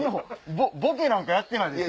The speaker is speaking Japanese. ボケなんかやってないですよ。